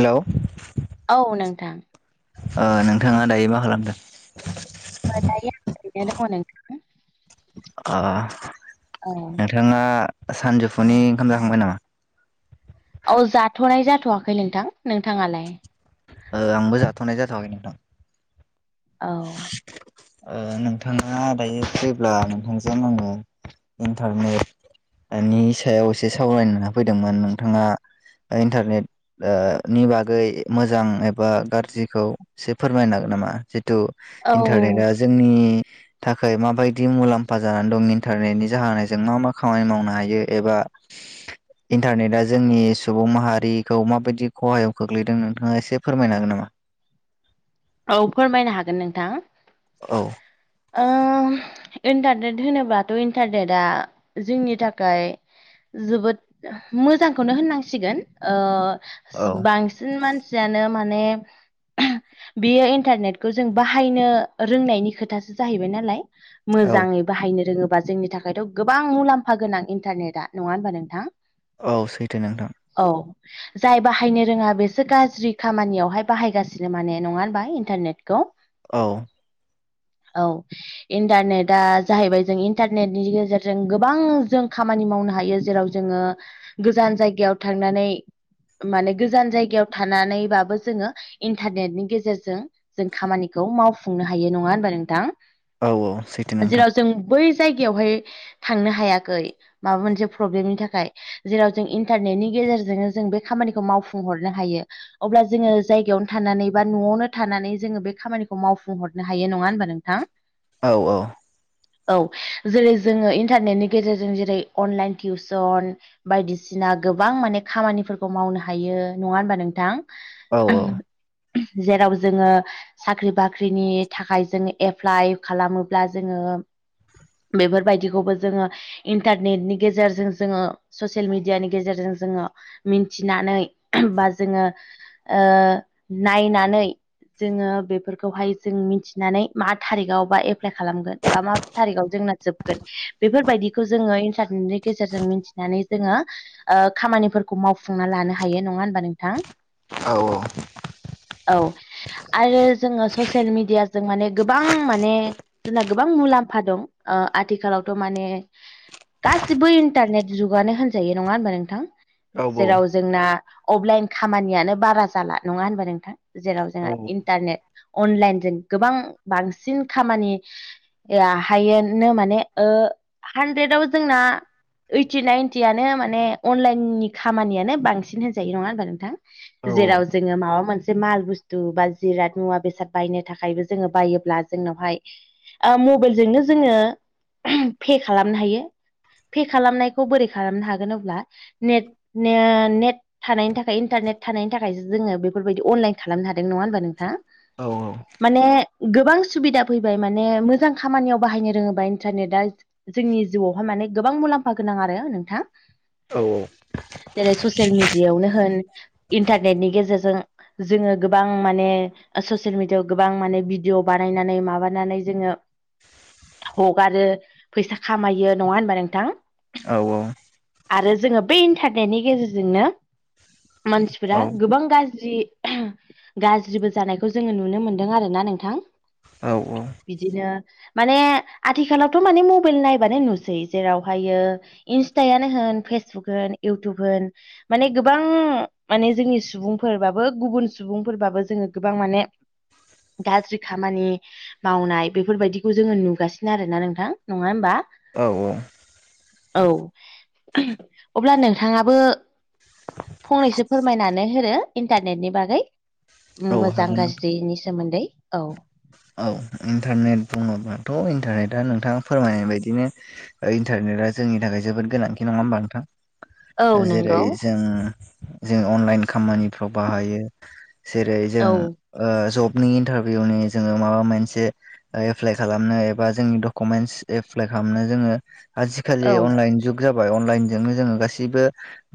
Hello औ नोंथां ओ नोंथाङा दायो मा खालामदों? दायो ओरैनो दङ नोंथां? आ औ नोंथाङा सानजौफुनि ओंखाम जाखांबाय नामा? औ जाथ'नाय जाथ'वाखै नोंथां नोंथाङालाय? ओ आंबो जाथ'नाय जाथ'वाखै नोंथां। औ। ओ नोंथाङा दायो फैब्ला नोंथांजों आङो इन्टारनेट बेनि सायाव एसे सावरायनो होनना फैदोंमोन नोंथाङा। इन्टारनेट ओ नि बागै मो जां एबा गाज्रिखौ एसे फोरमायनो हागोन नामा जिथु औ इन्टारनेटआ जोंनि थाखाय माबायदि मुलाम्फा जानानै दं इन्टारनेटनि जाहोनायजों मा मा खामानि मावनो हायो एबा इन्टारनेटआ जोंनि सुबुं माहारिखौ माबायदि खहायाव खोख्लैदों नोंथां आ एसे फोरमायनो हागोन नामा? औ फोरमायनो हागोन नोंथां। औ। ओं इन्टारनेट होनोबाथ' इन्टारनेटआ जोंनि थाखाय जोबोद मोजांखौनो होननांसिगोन ओ औ बांसिन मानसि आनो माने बेयो इन्टारनेटखौ जों बाहायनो रोंनायनि खोथासो। जाहैबाय नालाय मोजाङै बाहायनो रोङोबा जोंनि थाखायथ' गोबां मुलाम्फा गोनां इन्टारनेटआ नङा होनबा नोंथां। औ सैथो नोंथां। औ। जाय बाहायनो रोङा बेसो गाज्रि खामानियावहाय बाहायगासिनो माने नङा होनबा इन्टारनेटखौ। औ। औ। इन्टारनेटआ जाहैबाय जों इन्टारनेटनि गेजेरजों गोबां जों खामानि मावनो हायो जेराव जोङो गोजान जायगायाव थांनानै माने गोजान जायगायाव थानानैबाबो जोङो इन्टारनेटनि गेजेरजों जों खामानिखौ मावफुंनो हायो नङा होनबा औ औ सैथो नोंथां नोंथां जेराव जों बै जायगायावहाय थांनो हायाखै माबा मोनसे प्रब्लेमनि थाखाय जेराव जों इन्टारनेटनि गेजेरजोंनो जों बे खामानिखौ मावफुंहरनो हायो। अब्ला जोङो जायगायावनो थानानै बा न'आवनो थानानै जोङो बे खामानिखौ मावफुंहरनो हायो नङा होनबा नों थां। औ औ। औ जेरै जोङो इन्टारनेटनि गेजेरजों जेरै अनलाइन टिउसन बायदिसिना गोबां माने खामानिफोरखौ मावनो हायो नङा होनबा नोंथां। औ ओम उम जेराव जोङो साख्रि बाख्रिनि थाखाय जों एप्लाइ खालामोब्ला जोङो बेफोरबायदिखौबो जोङो इन्टारनेटनि गेजेरजों जोङो ससियेल मिडियानि गेजेरजों जोङो मिन्थिनानै ओहोम बा जोङो ओ नायनानै जोङो बेफोरखौहाय जों मिथिनानै मा थारिखआव बा एप्लाइ खालामगोन बा मा थारिखआव जोंना जोबगोन बेफोरबायदि खौ जोङो इन्टारनेटनि गेजेरजों मिथिनानै जोङो। ओ खामानिफोरखौ मावफुंना लानो हायो नंङा होनबा नोंथां औ औ। औ आरो जोंङो ससियेल मिडियाजों माने गोबां माने जोंना गोबां मुलाम्फा दं ओ आथिखालावथ' माने गासिबो इन्टारनेट जुगानो होनजायो नंङा होनबा नोंथां जेराव जोंना अफलाइन खामानियानो बारा जाला नंङा होनबाय नोंथां जेराव जोंहा इन्टारने अनलाइनजों गोबां बांसिन खामानि हायनो माने हानद्रेदाव जोंना ओइटि नाइनटियानो माने अनलाइननि खामानियानो बांसिन होनजायो नंङा होमबा नोंथां। जेराव जोंङो माबा मोनसे माल बुस्थु बा जिराद मुवा बेसाद बायनो थाखायबो जोंङो। बायोब्ला जोंनावहाय। ओ मबाइलजोंनो जोंङो पे खालामनो हायो। पे खालामनायखौ बोरै खालामनो हागोन अब्ला नेट नो नेट। थानायनि थाखाय इन्टारनेट थानायनि थाखायसो जोंङो बेफोरबायदि अनलाइन खालामनो हादों नंङा होनबा नोंथां। माने गोबां सुबिदा फैबाय माने मोजां खामानियाव बाहायनो रोंङोबा इन्टारनेटआ जोंनि जिउआवहाय माने गोबां मुलाम्फा गोनां आरो नोंथां। औ औ जेरै ससियेल मिडियायावनो होन इन्टारनेटनि गेजेरजों जोंङो गोबां माने ससियेल मिडियाायाव गोबां माने भिदिअ बानायनानै माबानानै जोंङो‌। हगारो फैसा खामायो नंङा होनबा नोंथां। औ औ आरो जोंङो बे इन्टारनेटनि गेजेरजोंनो मानसिफोरा औ गोबां गाज्रि गाज्रिबो जानायखौ जोंङो नुनो मोनदों आरोना नों नोंथां। औ औ। बिदिनो माने आथिखालावथ' माने मबाइल नायबानो नुसै जेरावहायो इन्सटायानो होन फेसबुक होन इउटुब होन माने गोबां माने जोंनि सुबुंफोरबाबो गुबुन सुबुंफोरबाबो जोंङो गोबां माने गाज्रि खामानि मावनाय बेफोरबायदिखौ जोङो नुगासिनो आरोना नोंथां नङा होमबा औ औ। औ अब्ला नोंथांङाबो। फंनैसो फोरमायनानै होनो इन्टारनेटनि बागै मोजां हागोन गाज्रिनि सोमोन्दै औ। औ इन्टारनेट बुंङोबाथ' इन्टारनेटआ नोंथांङा फोरमायनाय बायदिनो। इन्टारनेटआ जोंनि थाखाय जोबोद गोनांथि नंङा होमबा नोंथां। औ जेरै नंगौ जों जों अनलाइन खामानिफ्राव बाहायो। जेरै जों औ जबनि इन्टारभिउनि। जोंङो माबा मोनसे एप्लाइ खालामनो एबा जोंनि डकुमेन्टस एप्लाइ खालामनो जोंङो‌‌ आजिखालि औ अनलाइन जुग जाबाय अनलाइनजोंनो जोंङो गासैबो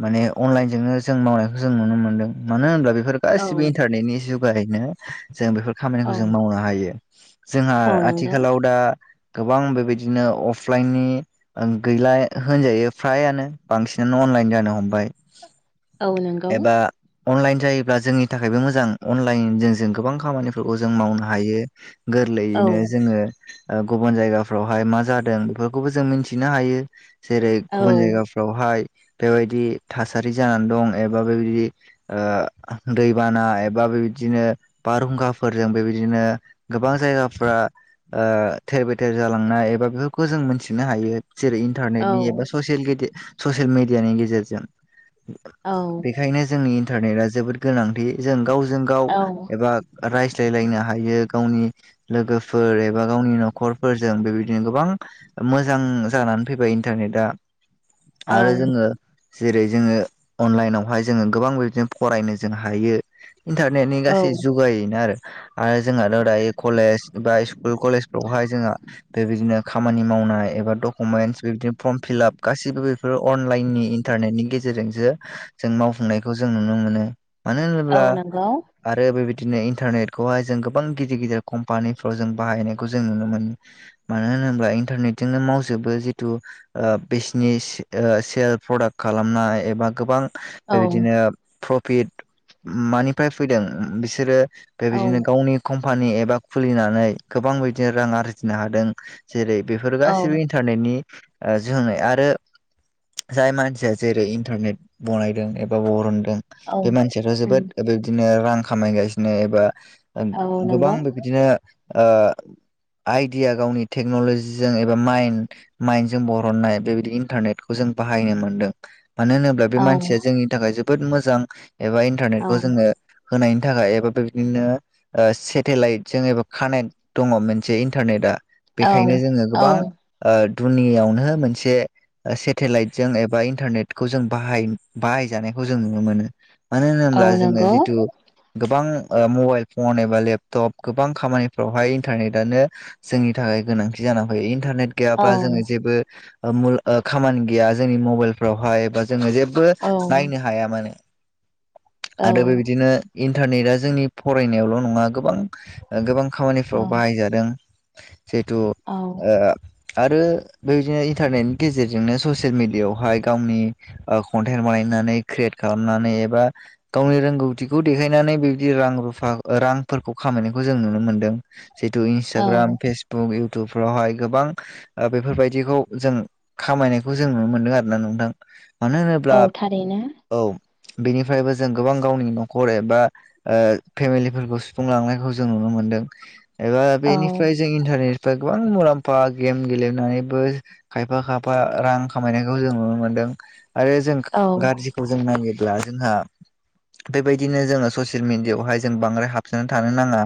माने अनलाइनजोंनो जों मावनायखौ जों नुनो मोन्दों मानो होनब्ला बेफोर गासिबो औ इन्टारनेटनि जुगायैनो जों बेफोर खामानि औ जों मावनो हायो जोंहा औ नंगौ आथिखालाव दा। गोबां बेबायदिनो अफलाइननि गैला होनजायो फ्रायानो बांसिनानो अनलाइन जानो हमबाय औ नंगौ एबा अनलाइन जायोब्ला जोंनि थाखायबो मोजां अनलाइनजों जों गोबां खामानिफोरखौ जों मावनो हायो गोरलैयैनो औ जोंङो ओ गुबुन जायगाफ्रावहाय मा जादों बेफोरखौबो जों मिथिनो हायो जेरै औ गुबुन जायगा हाय बेबायदि थासारि जानानै दं एबा बेबायदि दैबाना एबा बेबायदिनो बारहुंखा फोरजों बेबायदिनो गोबां जायगाफ्रा थेर बेथेर जालांनाय एबा बेफोरखौ जों मोनथिनो हायो। जेरै औ इन्टारनेटनि एबा ससि ससियेल मिडियानि गेजेरजों। औ बेखायनो जोंनि इन्टारनेटा जोबोद गोनांथि जों गावजों गाव औ एबा रायज्लायलायनो हायो गावनि लोगोफोर एबा गावनि न'खरफोरजों बेबायदिनो गोबां मोजां जानानै फैबाय इन्टारनेटआ औ आरो जोङो जेरै जोङो अनलाइनावहाय जोङो गोबां वेबजों फरायनो जों हायो इन्टारनेटनि औ गासै जुगाय आरो आरो जोंहाथ' दायो कलेज बा स्कुल कलेजफ्रावहाय जोंहा बेबायदिनो खामानि मावनाय एबा डकुमेन्टस बेदिनो फर्म फिलाप गासिबो फोर अनलाइननि इन्टारनेटनि गेजेरजोंसो जों मावफुंनायखौ जों नुनो मोनो मानो होनोब्ला औ नंगौ आरो बेबायदिनो इन इन्टारनेटखौहाय जों गोबां गिदिर गिदिर कम्पानिफ्राव जों बाहायनायखौ जों नुनो मोनो मानो होनोब्ला इन्टारनेटजोंनो मावजोबो जिथु ओ बिजिनेस ओ सेल प्रडाक्ट खालामनाय एबा गोबां औ बेबायदिनो प्रफिट मानिफ्राय फैदों बिसोरो बेबायदिनो औ गावनि कम्पानि एबा खुलिनानै गोबां बिदिनो रां आरजिनो हादों जेरै बेफोर औ गाैबो इन्टारनेटनि ओ जोहोनै आरो जाय मानसिया जेरै इन्टारनेट बनायदों एबा बरनदों औ बे मानसियाथ' उम जोबोद बेबदिनो रां खामायगासिनो एबा औ गोबां नंगौ बिदिनो ओ आइडिया गावनि टेक्न'लजिजों एबा माइन्ड माइन्दडजों बरननाय बेबायदि इन्टारनेटखौ जों बाहायनो मोन्दों मानो होनो ब्ला बे औ मानसिया जोंनि थाखाय जोबोद मोजां एबा औ इन्टारनेटखौ जोंङो होनायनि थाखाय एबा बे बिदिनो ओ सेटेलाइट जों एबा कानेक्ट दङ मोनसे इन्टारनेटआ औ बेखायनो जोङो औ गोबां ओ दुनियावनो मोनसे ओसेटेलाइटजों एबा इन्टारनेटखौ जों बाहाय बाहायजानायखौ जों नुनो मोनो मानो औ होनोब्ला जोङो नंगौ जिथु गोबां ओ मबाइल फन एबा लेपटप गोबां खामानिफ्रावहाय इन्टारनेटानो जोंनि थाखाय गोनांथि जानानै फैयो इन्टारनेट औ गैयाब्ला जोङो जेबो खामानि गैया जोंनि मबाइल फ्रावहाय बा जोङो जेबो औ नायनो हायामोन आरो बेबायदिनो इन्टारनेटआ जोंनि फरायनायावल' नङा गोबां गोबां खामानिफ्राव औ बाहायजादों जिहेथु ओ आरो बेबायदिनो इन्टारनेटनि गेजेरजोंनो ससियेल मेडियायावहाय गावनि कन्टेन्ट बानायनानै क्रियेट खालामनानै एबा गावनि रोंगौथिखौ देखायनानै बे दि रां रुफा रांफोरखौ खामायनायखौ जों नुनो मोन्दों जिहेतु औ इन्स्टाग्राम, फेस बुक, इउटुबफ्रावहाय गोबां ओ बेफोरबायदिखौ जों खामायनायखौ जों नुनो मोनदों आरोना नोंथां मानो होनोब्ला औ थारैनो औ बेनिफ्रायबो जों गोबां गावनि न'खर एबा ओ फेमिलिफोरखौ सुफुंलांनायखौ जों नुनो मोनदों एबा औ बेनिफ्राय जों इन्टारनेट फ्राय गोबां मुलाम्फा गेम गेलेनानैबो खायफा खायफा रां खामायनायखौ जों नुनो मोन्दों आरो जों औ गासैखौ जों नायोब्ला जोंहा बेबायदिनो जोंङो ससे सेल मिडियायावहाय जों बांद्राय हाबसोना थानो नाङा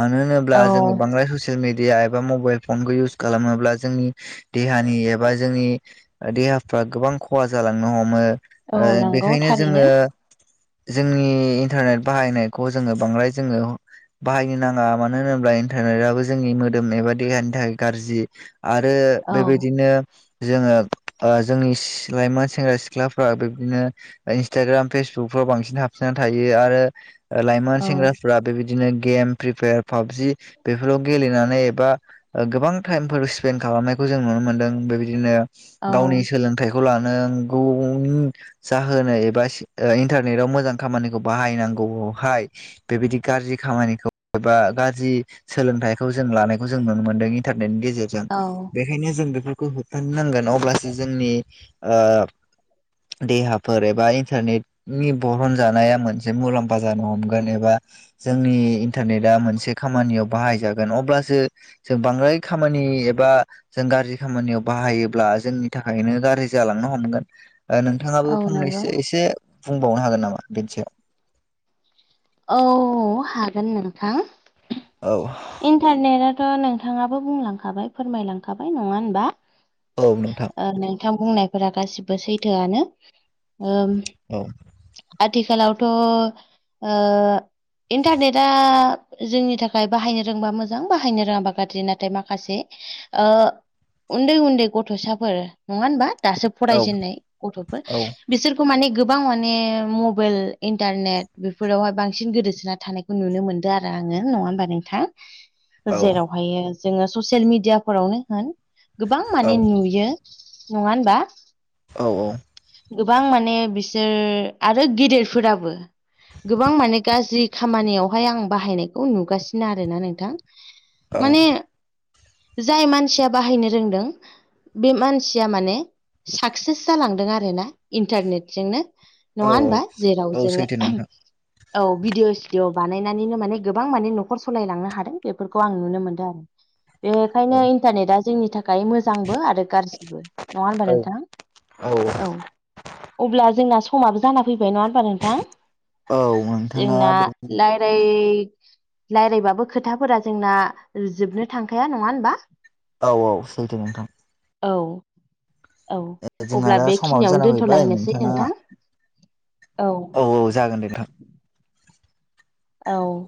मानो होनोब्ला औ जोंखौ बांद्राय होस सेल मिडिया एबा मबाइल फनखौ इउस खालामोब्ला जोंनि देहानि एबा जोंनि ओ देहाफ्रा गोबां खहा जालांनो हमो औ ओ नंगौ बेखायनो जोङो थारैनो जोंनि इन्टारनेट बाहायनायखौ जोङो बांद्राय जोङो बाहायनो नाङा मानो होनोब्ला इन्टारनेटआबो जोंनि मोदोम एबा देहानि थाखाय गाज्रि आरो औ बेबायदिनो जोङो ओ जोंनि सि लाइमोन सेंग्रा सिख्लाफ्रा बिब्दिनो इन्सटाग्राम, फेसबुकफ्राव बांसिन हाबसोना थायो आरो ओलाइमोन औ सेंग्राफ्रा बेबायदिनो गेम, फ्रिफायार, पाबजि बेफोराव गेलेनानै एबा ओ गोबां टाइमफोर स्पेन्ड खालामनायखौ जों नुनो मोनदों बेबायदिनो गावनि औ सोलों फिथाइखौ लानांगौनि जाहोनो एबा इन्टारनेटाव मोजां खामानिखौ बाहायनांगौआवहाय बेबायदि गाज्रि खामानिखौ एबा गाज्रि सोलोंथाइखौ जों लानायखौ जों नुनो मोनदों इन्टारनेटनि गेजेरजों औ बे खायनो जों बेफोरखौ होबथानो नांगोन अब्लासो जोंनि ओ देहाफोर एबा इन्टारनेटनि बरहनजानाया मोनसे मुलाम म्फा जानो हमगोन एबा जोंनि इन्टारनेटआ मोनसे खामानियाव बाहायजागोन अब्लासो जों बांद्राय खामानि एबा जों गाज्रि खामानियाव बाहायोब्ला जोंनि थाखायनो गाज्रि जालांनो हमगोन। ओ नोंथाङाबो औ नंगौ फंनैसो एसे बुंबावनो हागोन नामा बेनि सायाव औ हागोन नोंथां औ इन्टारनेटआथ' नोंथाङाबो बुंलांखाबाय फोरमायलांखाबाय नङा होनबा औ नोंथां। ओ नोंथां बुंनायफोरा गासिबो सैथोआनो ओ औ आथिखालावथ' ओ इन्टारनेटआ जोंनि थाखाय बाहायनो रोंबा मोजां बाहायनो रोङाबा गाज्रि नाथाय माखासे ओ उन्दै-उन्दै गथ'साफोर नङा होनबा दासो औ फरायजेननाय गथ'फोर औ बिसोरखौ माने गोबां माने मबाइल इन्टारनेट बेफोरावहाय बांसिन गोदोसोना थानाय खौ नुनो मोनदों आरो आङो नङा होमबा नों थां औ जेरावहायो जोङो ससियेल मिडियाफोरावनो होन गोबां औ माने नुयो नङा होनबा औ औ गोबां माने बिसोर आरो गेदेरफोराबो गोबां माने गाज्रि खामानियावहाय आं बाहायनायखौ नुगासि ना आरोना नोंथां औ माने जाय मानसिया बाहायनो रोंदों बे मानसिया माने साक्सेस जालांदों आरो ना इन्टारनेट जोंनो। नङा औ होनबा जेराव औ जोङो सैथो नोंथां औ भिडिअ सिडिअ बानायनानैनो माने गोबां माने न' खर सलायलांनो हादों बेफोरखौ आं नुनो मोनदों आरो बेखायनो औ इन इन्टारनेटआ जोंनि थाखाय मोजांबो आरो गाज्रि नङा होनबा औ नोंथां औ अब्ला जोंना समाबो जाना फैबाय नङा होमबा नोंथां औ नोंथाङा जोंना लाइट जाय रायज्लायबाबो खोथाफोरा जोंना जोबनो थांखाया नङा होनबा औ औ सैथो नोंथां। औ औ जोंहा अब्ला दा समाबो बेखिनियावनो जाना फैबाय दोनथ'लायनोसै नोंथाङा नोंथां औ औ औ जागोनदे थां औ